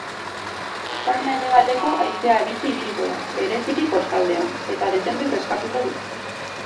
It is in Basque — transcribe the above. Ipar-mendebaldeko haizea bizi ibiliko da, bereziki kostaldean, eta dezente freskatuko du.